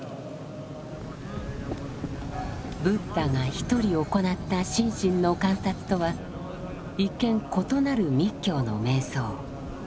ブッダが一人行った心身の観察とは一見異なる密教の瞑想。